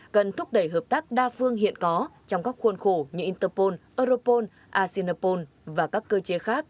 cần thúc đẩy hợp tác đa phương hiện có trong các khuôn khổ như interpol europol asinopol và các cơ chế khác